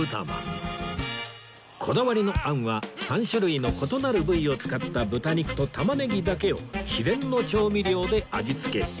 こだわりのあんは３種類の異なる部位を使った豚肉と玉ねぎだけを秘伝の調味料で味付け